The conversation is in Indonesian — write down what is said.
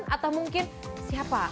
atau mungkin siapa